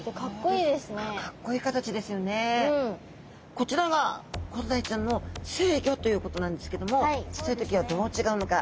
こちらがコロダイちゃんの成魚ということなんですけどもちっちゃい時はどう違うのか？